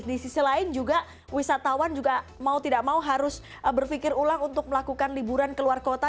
di sisi lain juga wisatawan juga mau tidak mau harus berpikir ulang untuk melakukan liburan ke luar kota